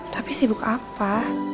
tapi sibuk apa